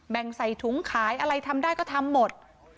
ใส่ถุงขายอะไรทำได้ก็ทำหมด